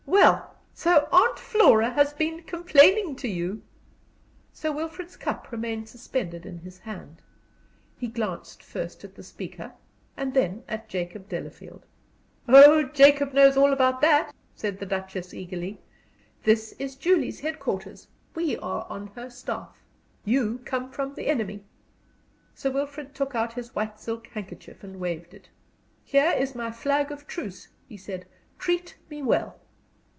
"Well, so Aunt Flora has been complaining to you?" Sir Wilfrid's cup remained suspended in his hand. He glanced first at the speaker and then at Jacob Delafield. "Oh, Jacob knows all about it!" said the Duchess, eagerly. "This is Julie's headquarters; we are on her staff. You come from the enemy!" Sir Wilfrid took out his white silk handkerchief and waved it. "Here is my flag of truce," he said. "Treat me well."